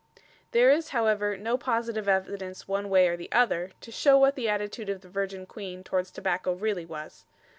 There is, however, no positive evidence one way or the other, to show what the attitude of the Virgin Queen towards tobacco really was.